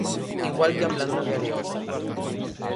Igual que a planta de Areosa.